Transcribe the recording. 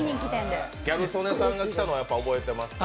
ギャル曽根さんが来たのは覚えていますか？